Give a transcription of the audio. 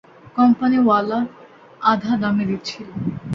কোম্পানিওয়ালা, আধা দামে দিচ্ছিল।